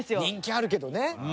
人気あるけどね。